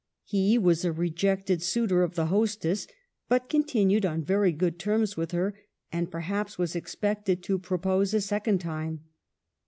He was a rejected suitor of the hostess, but continued on very good terms with her, and perhaps was expected to propose a second time.